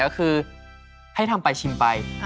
ก็คือให้ทำไปชิมไป